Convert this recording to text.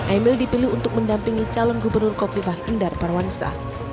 emil dipilih untuk mendampingi calon gubernur kofi fahindar parwansa